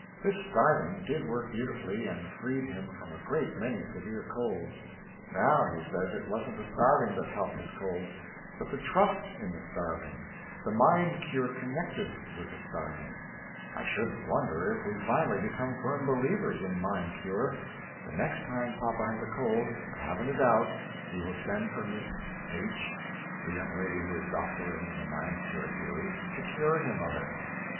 This starving did work beautifully, and freed him from a great many severe colds. Now he says it wasn't the starving that helped his colds, but the trust in the starving, the mind cure connected with the starving. I shouldn't wonder if we finally became firm believers in Mind Cure. The next time papa has a cold, I haven't a doubt, he will send for Miss H the young lady who is doctoring in the "Mind Cure" theory, to cure him of it.